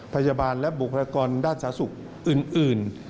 พยาบาลและบุคลากรด้านสาธารณสุขอื่น